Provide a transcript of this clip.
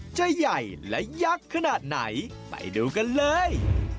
จะใหญ่และยักษ์ขนาดไหนไปดูกันเลย